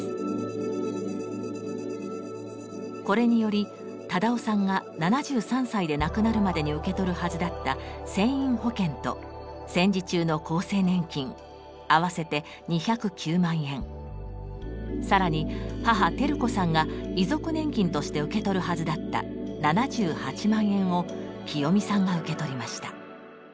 これにより忠雄さんが７３歳で亡くなるまでに受け取るはずだった船員保険と戦時中の厚生年金合わせて２０９万円さらに母・昭子さんが遺族年金として受け取るはずだった７８万円をきよみさんが受け取りました。